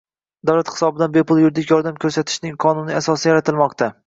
Davlat hisobidan bepul yuridik yordam ko‘rsatishning qonuniy asosi yaratilmoqdang